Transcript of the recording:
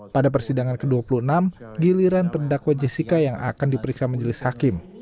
pada persidangan ke dua puluh enam giliran terdakwa jessica yang akan diperiksa menjelis hakim